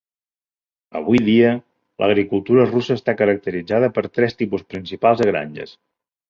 Avui dia, l'agricultura russa està caracteritzada per tres tipus principals de granges.